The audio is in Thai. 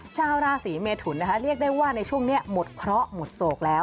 ชาวราศีเมทุนนะคะเรียกได้ว่าในช่วงนี้หมดเคราะห์หมดโศกแล้ว